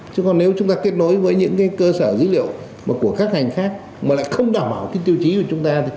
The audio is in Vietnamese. chứ còn nếu chúng ta kết nối với những cơ sở dữ liệu của các ngành khác mà lại không đảm bảo tiêu chí của chúng ta